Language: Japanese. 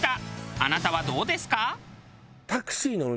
あなたはどうですか？